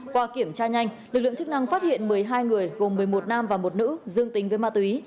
qua kiểm tra nhanh lực lượng chức năng phát hiện một mươi hai người gồm một mươi một nam và một nữ dương tính với ma túy